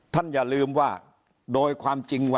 ท่านอย่าลืมว่าโดยความจริงนะ